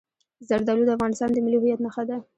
زردالو د افغانستان د ملي هویت نښه ده.